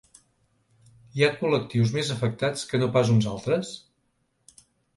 Hi ha col·lectius més afectats que no pas uns altres?